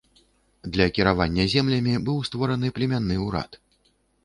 Для кіравання землямі быў створаны племянны ўрад.